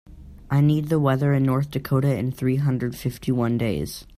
I need the weather in North Dakota in three hundred fifty one days